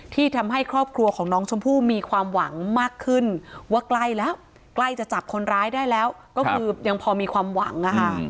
ที่ทำให้ครอบครัวของน้องชมพู่มีความหวังมากขึ้นว่าใกล้แล้วใกล้จะจับคนร้ายได้แล้วก็คือยังพอมีความหวังนะคะ